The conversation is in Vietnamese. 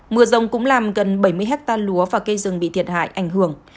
mưa rông cũng làm gần bảy mươi hectare lúa và cây rừng bị thiệt hại ảnh hưởng